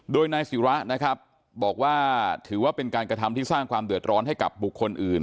โดยนายศิระนะครับบอกว่าถือว่าเป็นการกระทำที่สร้างความเดือดร้อนให้กับบุคคลอื่น